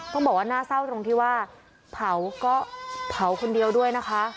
ต้องบอกว่าน่าเศร้าตรงที่ว่าเผาก็เผาคนเดียวด้วยนะคะ